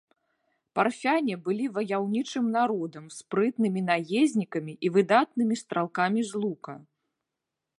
Парфяне былі ваяўнічым народам, спрытнымі наезнікамі і выдатнымі стралкамі з лука.